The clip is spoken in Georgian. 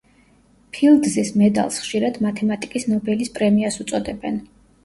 ფილდზის მედალს ხშირად მათემატიკის ნობელის პრემიას უწოდებენ.